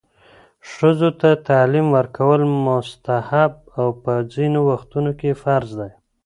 ښځو ته تعلیم ورکول مستحب او په ځینو وختونو کې فرض دی.